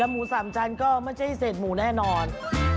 หมูสามชั้นก็ไม่ใช่เศษหมูแน่นอน